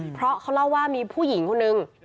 เพราะเขาเล่าว่ามีผู้หญิงคนนึง